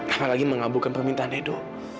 apalagi mengabukkan permintaan edo